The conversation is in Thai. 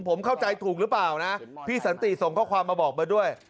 ผมเข้าใจถูกหรือเปล่านะพี่สันติส่งข้อความมาบอกมาด้วย